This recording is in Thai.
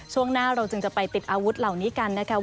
ช่วงหน้าเราจึงจะไปติดอาวุธเหล่านี้กันนะคะ